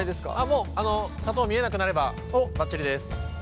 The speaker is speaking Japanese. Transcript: もう砂糖見えなくなればばっちりです。